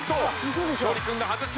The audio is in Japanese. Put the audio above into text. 勝利君が外す。